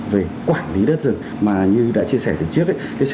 về quản lý đất rừng mà như đã chia sẻ từ trước ấy